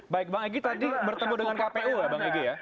baik bang egy tadi bertemu dengan kpu ya bang egy ya